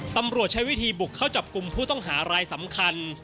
ตำรวจใช้วิธีบุกเข้าจับกลุ่มผู้ต้องหารายสำคัญ